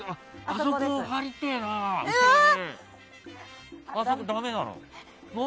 あそこ入りてえな！